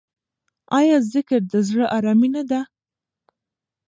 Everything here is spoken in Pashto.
آیا ذکر د زړه ارامي نه ده؟